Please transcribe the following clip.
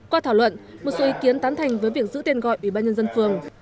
qua thảo luận một số ý kiến tán thành với việc giữ tên gọi ủy ban nhân dân phường